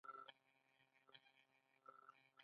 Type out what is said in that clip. هرات پوهنتون ولې مشهور دی؟